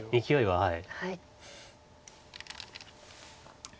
はい。